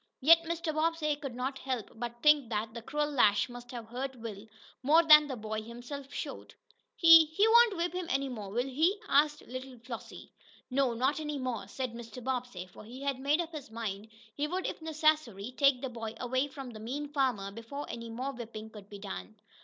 Yet Mr. Bobbsey could not help but think that the cruel lash must have hurt Will more than the boy himself showed. "He he won't whip him any more, will he?" asked little Flossie. "No, not any more," said Mr. Bobbsey, for he had made up his mind he would, if necessary, take the boy away from the mean farmer before any more whipping could be done.